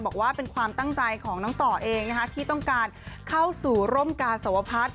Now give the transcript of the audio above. บอกว่าเป็นความตั้งใจของน้องต่อเองนะคะที่ต้องการเข้าสู่ร่มกาสวพัฒน์